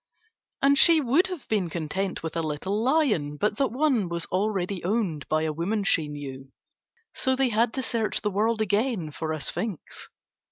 And she would have been content with a little lion but that one was already owned by a woman she knew; so they had to search the world again for a sphinx.